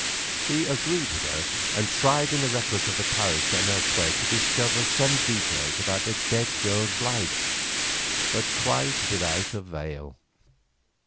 He agreed with her, and tried in the records of the parish and elsewhere to discover some details about the dead girl's life, but quite without avail.